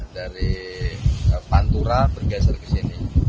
dari pantura bergeser ke sini